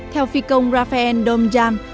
theo phi công rafael domjan